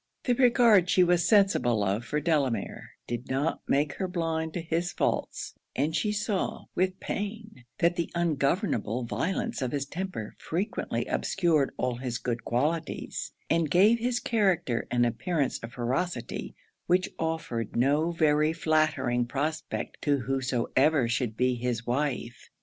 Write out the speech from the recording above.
The regard she was sensible of for Delamere did not make her blind to his faults; and she saw, with pain, that the ungovernable violence of his temper frequently obscured all his good qualities, and gave his character an appearance of ferocity, which offered no very flattering prospect to whosoever should be his wife.